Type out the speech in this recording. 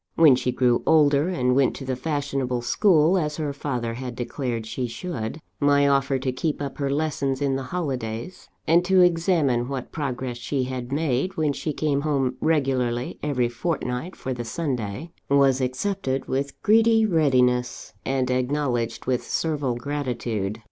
When she grew older, and went to the fashionable school, as her father had declared she should, my offer to keep up her lessons in the holidays, and to examine what progress she had made, when she came home regularly every fortnight for the Sunday, was accepted with greedy readiness, and acknowledged with servile gratitude.